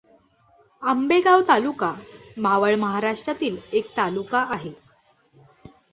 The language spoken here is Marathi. आंबेगाव तालुका, मावळ महाराष्ट्रातील एक तालुका आहे.